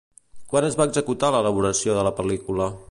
Quan es va executar l'elaboració de la pel·lícula?